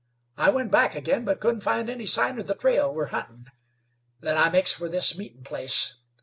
I went back again, but couldn't find any sign of the trail we're huntin'. Then I makes for this meetin' place.